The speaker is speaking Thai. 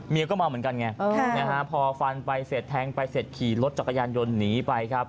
เมียก็มาเหมือนกันพอฟันไปเซ็ดแทงไปเสร็จขี่รถจักรยานยนย์หนีไป